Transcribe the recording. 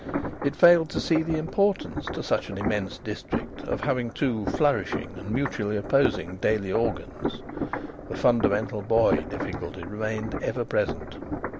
It failed to see the importance to such an immense district of having two flourishing and mutually opposing daily organs. The fundamental boy difficulty remained ever present.